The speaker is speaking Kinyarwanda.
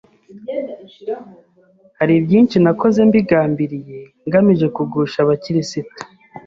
Hari byinshi nakoze mbigambiriye ngamije kugusha abakirisito